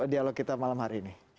dialog kita malam hari ini